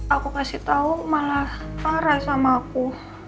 aku kasih tau malah parah sama aku